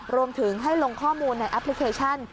รวมถึงให้ลงข้อมูลในแอปพลิเคชัน